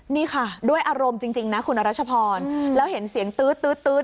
นี่ค่ะด้วยอารมณ์จริงนะคุณรัชพรแล้วเห็นเสียงตื๊ด